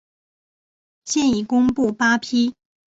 现已公布八批。